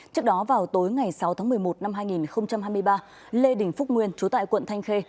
trước đó vào tối ngày sáu tháng một mươi một năm hai nghìn hai mươi ba lê đình phúc nguyên chú tại quận thanh khê